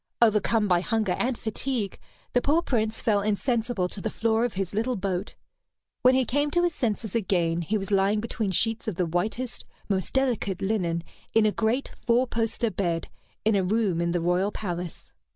Overcome by hunger and fatigue, the poor Prince fell insensible to the floor of his little boat. When he came to his senses again, he was lying between sheets of the whitest, most delicate linen in a great four poster bed, in a room in the royal palace.